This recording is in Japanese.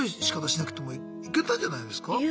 しかたしなくてもいけたんじゃないですか？